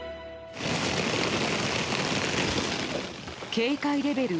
警戒レベル